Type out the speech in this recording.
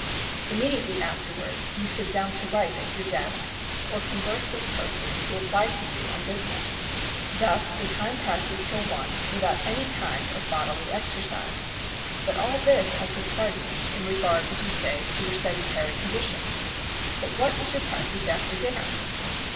Immediately afterwards you sit down to write at your desk, or converse with persons who apply to you on business. Thus the time passes till one, without any kind of bodily exercise. But all this I could pardon, in regard, as you say, to your sedentary condition. But what is your practice after dinner?